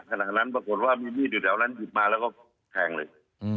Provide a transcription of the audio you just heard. หลังนั้นปรากฏว่ามีมีดอยู่แถวนั้นหยิบมาแล้วก็แทงเลย